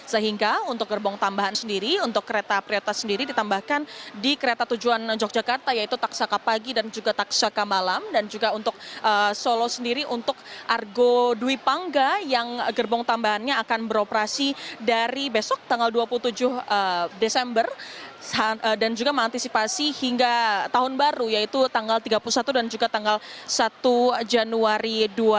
sehingga untuk gerbong tambahan sendiri untuk kereta prioritas sendiri ditambahkan di kereta tujuan yogyakarta yaitu taksaka pagi dan juga taksaka malam dan juga untuk solo sendiri untuk argo dwi pangga yang gerbong tambahannya akan beroperasi dari besok tanggal dua puluh tujuh desember dan juga mengantisipasi hingga tahun baru yaitu tanggal tiga puluh satu dan juga tanggal satu januari dua ribu delapan belas